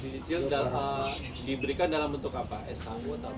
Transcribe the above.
dicecil dan diberikan dalam bentuk apa shu